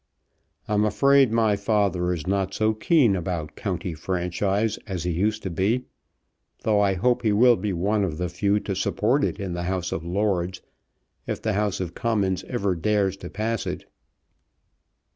"I'm afraid my father is not so keen about County Franchise as he used to be, though I hope he will be one of the few to support it in the House of Lords if the House of Commons ever dares to pass it."